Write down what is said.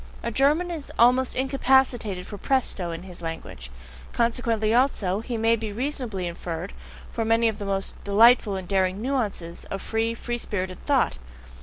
A German is almost incapacitated for PRESTO in his language; consequently also, as may be reasonably inferred, for many of the most delightful and daring NUANCES of free, free spirited thought.